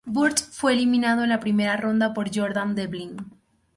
Burch fue eliminado en la primera ronda por Jordan Devlin.